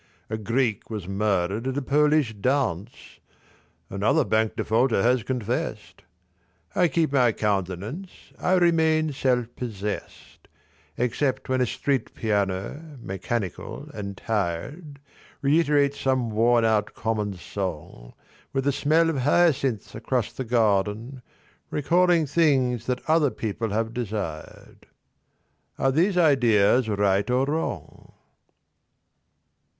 A Greek was murdered at a Polish dance, Another bank defaulter has confessed. I keep my countenance, I remain self possessed Except when a street piano, mechanical and tired Reiterates some worn out common song With the smell of hyacinths across the garden Recalling things that other people have desired. Are these ideas right or wrong?